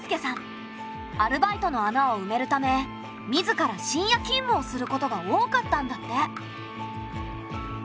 アルバイトの穴をうめるため自ら深夜勤務をすることが多かったんだって。